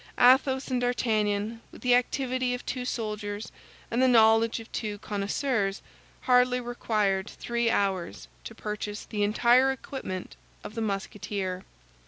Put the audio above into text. Athos and D'Artagnan, with the activity of two soldiers and the knowledge of two connoisseurs, hardly required three hours to purchase the entire equipment of the Musketeer.